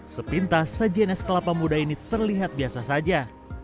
sepintas sejenis kelapa muda ini terlihat biasa saja